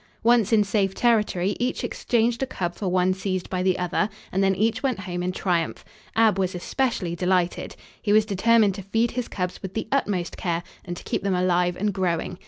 Once in safe territory, each exchanged a cub for one seized by the other and then each went home in triumph. Ab was especially delighted. He was determined to feed his cubs with the utmost care and to keep them alive and growing.